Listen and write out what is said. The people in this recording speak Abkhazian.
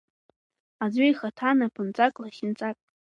Аӡәы ихаҭа напынҵак, лахьынҵак.